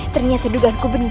ternyata dugaanku benar